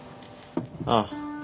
ああ。